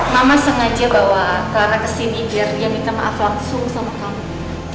mama sengaja bawa clara ke sini biar dia minta maaf langsung sama kamu